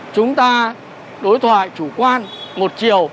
chúng ta đối thoại chủ quan một chiều